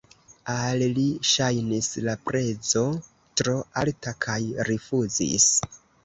Al li ŝajnis la prezo tro alta kaj rifuzis.